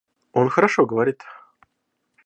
Он хорошо говорит.